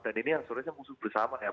dan ini yang soalnya musuh bersama ya